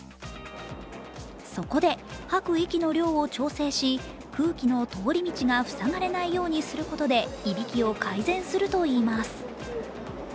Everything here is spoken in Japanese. そこで、吐く息の量を調整し空気の通り道が塞がれないようにすることでいびきを改善するといいます。